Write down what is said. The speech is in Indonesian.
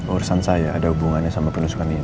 urusan saya ada hubungannya sama penusukan ini